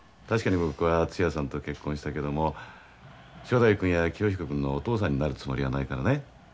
確かに僕はつやさんと結婚したけども正太夫君や清彦君のお父さんになるつもりはないからね。